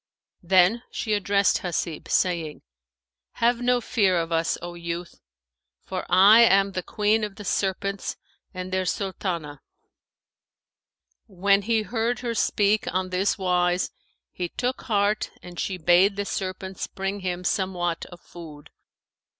Then she addressed Hasib, saying, "Have no fear of us, O youth; for I am the Queen of the Serpents and their Sultαnah." When he heard her speak on this wise, he took heart and she bade the serpents bring him somewhat of food.